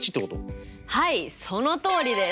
はいそのとおりです！